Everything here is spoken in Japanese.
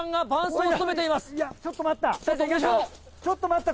そして、ちょっと待った。